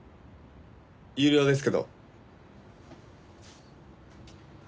有料ですけど。